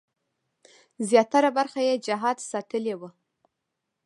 زیاتره برخه یې جهاد ساتلې وه.